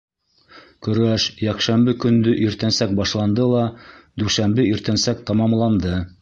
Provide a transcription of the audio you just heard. Көрәш йәкшәмбе көндө иртәнсәк башланды ла дүшәмбе иртәнсәк тамамланды.